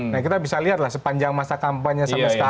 nah kita bisa lihatlah sepanjang masa kampanye sampai sekarang